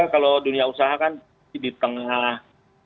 dua ribu dua puluh tiga kalau dunia usaha kan di tengah